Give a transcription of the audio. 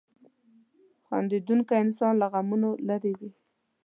• خندېدونکی انسان له غمونو لرې وي.